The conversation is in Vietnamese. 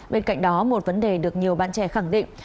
bên cạnh đó một vấn đề được nhiều bạn trẻ khẳng định